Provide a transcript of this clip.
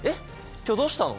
今日どうしたの？